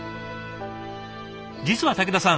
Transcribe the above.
実は武田さん